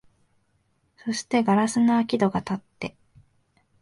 そして硝子の開き戸がたって、